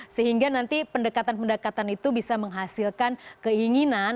sehingga nanti pendekatan pendekatan itu bisa menghasilkan keinginan